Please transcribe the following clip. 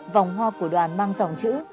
vòng hoa của đoàn mang dòng chữ